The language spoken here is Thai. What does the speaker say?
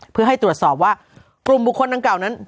เพื่อให้ตรวจสอบว่ากลุ่มบุคคลดังกล่าวนั้น